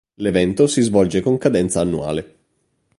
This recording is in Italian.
L'evento si svolge con cadenza annuale.